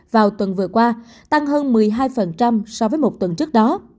giờ qua tăng hơn một mươi hai so với một tuần trước đó